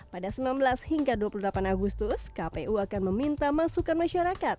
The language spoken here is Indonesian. pada sembilan belas hingga dua puluh delapan agustus kpu akan meminta masukan masyarakat